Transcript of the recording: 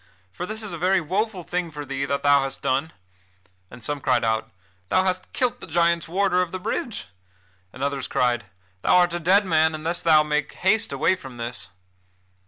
For this is a very woful thing for thee that thou hast done!" and some cried out: "Thou hast killed the giants' warder of the bridge!" And others cried: "Thou art a dead man unless thou make haste away from this."